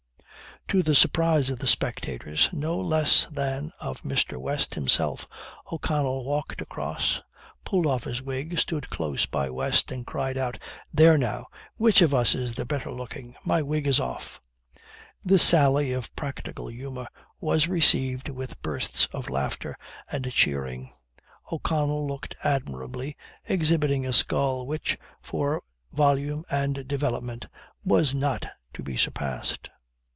To the surprise of the spectators, no less than of Mr. West himself, O'Connell walked across, pulled off his wig, stood close by West, and cried out "There, now, which of us is the better looking my wig is off." This sally of practical humor was received with bursts of laughter and cheering. O'Connell looked admirably, exhibiting a skull which, for volume and development, was not to be surpassed.